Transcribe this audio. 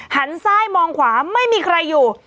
หันซ้ายมองขวาไม่มีใครอยู่